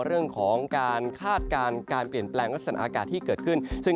เรื่องของการคาดการณ์การเปลี่ยนแปลงลักษณะอากาศที่เกิดขึ้นซึ่ง